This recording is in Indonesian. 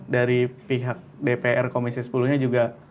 dari pihak dpr komisi sepuluh nya juga